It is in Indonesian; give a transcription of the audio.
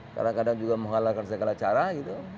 kadang kadang juga menghalalkan segala cara gitu